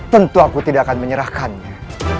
tentu aku tidak akan menyerahkannya